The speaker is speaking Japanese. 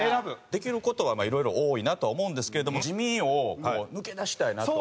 できる事はいろいろ多いなとは思うんですけれども地味を抜け出したいなと。